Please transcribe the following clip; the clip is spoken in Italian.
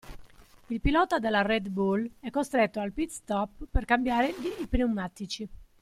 Il pilota della Red-Bull è costretto al pit-stop per cambiare gli pneumatici.